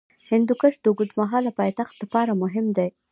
هندوکش د اوږدمهاله پایښت لپاره مهم دی.